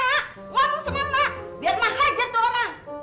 ngomong sama emak biar emak hajar tuh orang